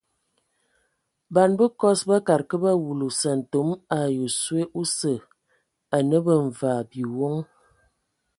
Ban bəkɔs bakad kə ba wulu sƐntome ai oswe osə anə bə mvaa biwoŋ.